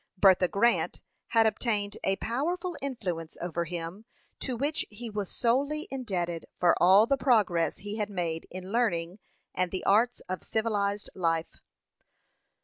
Bertha Grant had obtained a powerful influence over him, to which he was solely indebted for all the progress he had made in learning and the arts of civilized life.